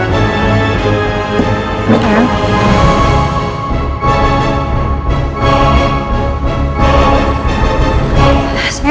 saya terima lamaran saya